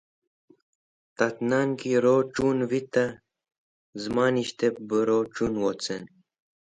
Tat nan ki rochun vitẽ zẽmanes̃h bẽ rochun wost.